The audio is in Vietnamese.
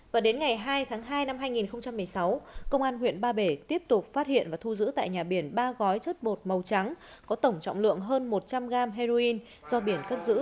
và đến ngày hai tháng hai năm hai nghìn một mươi sáu công an huyện ba bể tiếp tục phát hiện và thu giữ tại nhà biển ba gói chất bột màu trắng có tổng trọng lượng hơn một trăm linh gram heroin do biển cất giữ